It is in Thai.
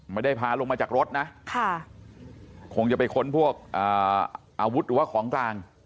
ไม่ได้พาลงมาจากรถนะคงจะไปค้นพวกอาวุธหรือว่าของกลาง